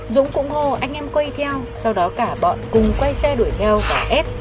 dũng cũng hô anh em quay theo sau đó cả bọn cùng quay xe đuổi theo và ép